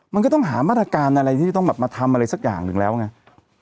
มันก็ต้องหามาตรการอะไรที่จะต้องแบบมาทำอะไรสักอย่างหนึ่งแล้วไง